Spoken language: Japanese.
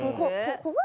怖い？